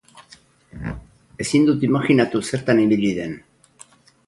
Ezin dut imajinatu zertan ibili den!.